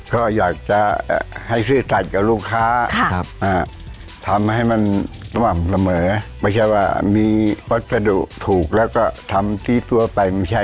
ก็อยากจะให้ซื่อสัตว์กับลูกค้าทำให้มันสม่ำเสมอไม่ใช่ว่ามีวัสดุถูกแล้วก็ทำที่ตัวไปไม่ใช่